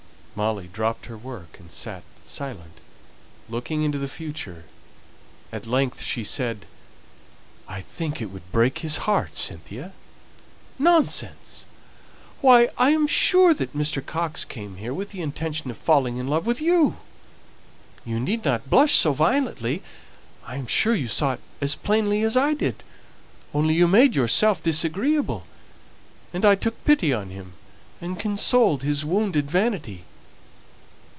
Molly dropped her work, and sat silent, looking into the future; at length she said, "I think it would break his heart, Cynthia!" "Nonsense. Why, I'm sure that Mr. Coxe came here with the intention of falling in love with you you needn't blush so violently. I'm sure you saw it as plainly as I did, only you made yourself disagreeable, and I took pity on him, and consoled his wounded vanity."